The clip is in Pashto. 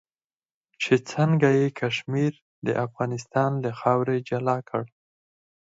چې څنګه یې کشمیر د افغانستان له خاورې جلا کړ.